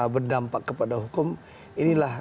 berdampak kepada hukum inilah